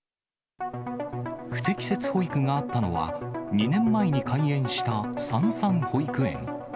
不適切保育があったのは、２年前に開園したさんさん保育園。